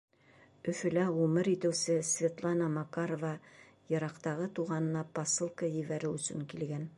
Өфөлә ғүмер итеүсе Светлана Макарова йыраҡтағы туғанына посылка ебәреү өсөн килгән.